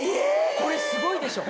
これすごいでしょ？